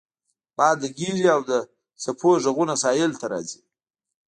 باد لګیږي او د څپو غږونه ساحل ته راځي